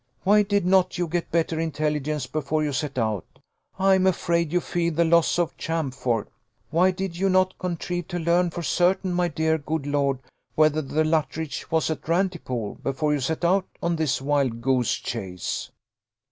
Why did not you get better intelligence before you set out? I am afraid you feel the loss of Champfort. Why did not you contrive to learn for certain, my dear good lord, whether the Luttridge was at Rantipole, before you set out on this wild goose chase?"